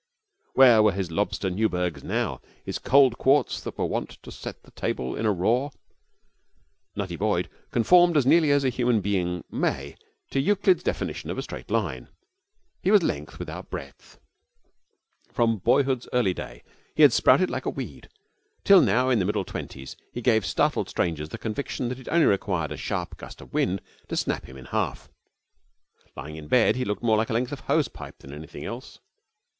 Where were his lobster Newburgs now, his cold quarts that were wont to set the table in a roar? Nutty Boyd conformed as nearly as a human being may to Euclid's definition of a straight line. He was length without breadth. From boyhood's early day he had sprouted like a weed, till now in the middle twenties he gave startled strangers the conviction that it only required a sharp gust of wind to snap him in half. Lying in bed, he looked more like a length of hose pipe than anything else.